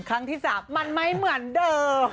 ครั้งที่๓มันไม่เหมือนเดิม